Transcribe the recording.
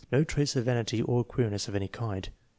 No trace of vanity or queerness of any kind.